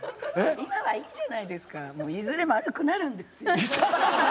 今はいいじゃないですかもういずれ丸くなるんですよ。